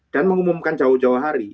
dan mengumumkan jauh jauh hari